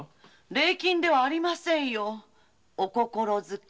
礼金ではありませんよ。お心付け。